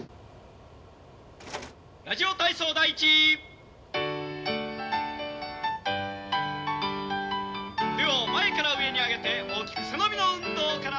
『ラジオ体操第１』腕を前から上に上げて大きく背伸びの運動から。